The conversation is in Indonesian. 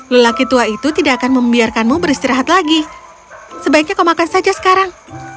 lelaki tua itu tidak akan membiarkanmu beristirahat lagi sebaiknya kau makan saja sekarang